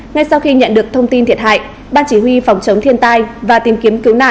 ngay sau khi nhận được thông tin thiệt hại ban chỉ huy phòng chống thiên tai và tìm kiếm cứu nạn